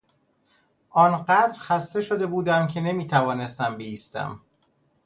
آنقدر خسته شده بودم که نمیتوانستم بایستم.